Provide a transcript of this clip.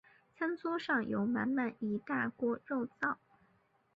餐桌上有满满一大锅肉燥